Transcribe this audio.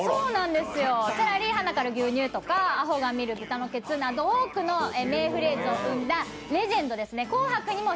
「チャラリー鼻から牛乳」とか「アホが見るブタのケツ」など多くの名フレーズのレジェンドですね。